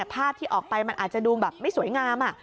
ภาพที่ออกไปมันอาจจะดูแบบไม่สวยงาม